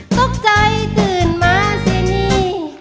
ตกใจตื่นมาสินี่